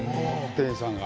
店員さんが。